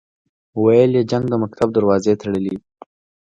ویل یې جنګ د مکتب دروازې تړلې وې.